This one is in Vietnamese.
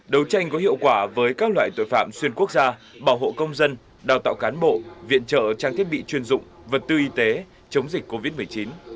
đấu tranh có hiệu quả với các loại tội phạm xuyên quốc gia bảo hộ công dân đào tạo cán bộ viện trợ trang thiết bị chuyên dụng vật tư y tế chống dịch covid một mươi chín